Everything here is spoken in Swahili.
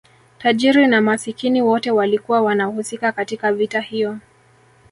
tajiri na masikini wote walikuwa wanahusika katika vita hiyo